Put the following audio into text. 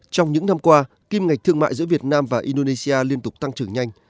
trong những năm qua kim ngạch thương mại giữa việt nam và indonesia liên tục tăng trưởng nhanh